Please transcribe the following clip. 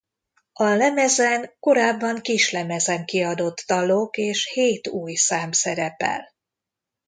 A lemezen korábban kislemezen kiadott dalok és hét új szám szerepel.